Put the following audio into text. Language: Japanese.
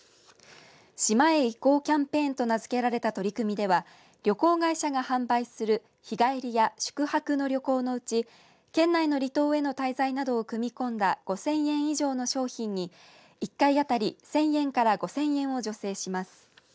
島へ行こうキャンペーンと名付けられた取り組みでは旅行会社が販売する日帰りや宿泊の旅行のうち県内の離島への滞在などを組み込んだ５０００円以上の商品に１回当たり１０００円から５０００円を助成します。